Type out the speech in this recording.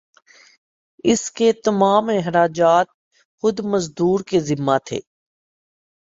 اس کے تمام اخراجات خود مزدور کے ذمہ تھے